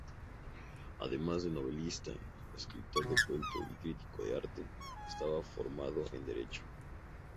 Además de novelista, escritor de cuentos y crítico de arte, estaba formado en Derecho.